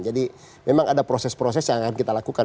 jadi memang ada proses proses yang akan kita lakukan